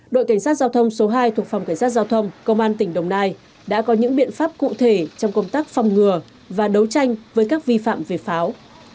đội cảnh sát giao thông số hai thuộc phòng cảnh sát giao thông công an tỉnh đồng nai đã có những biện pháp cụ thể trong công tác phòng ngừa và đấu tranh với các vi phạm về pháo